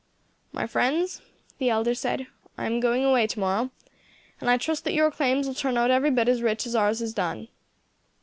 "My friends," the elder said, "I am going away to morrow, and I trust that your claims will turn out every bit as rich as ours has done."